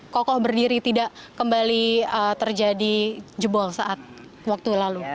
kokoh berdiri tidak kembali terjadi jebol saat waktu lalu